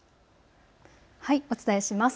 お伝えします。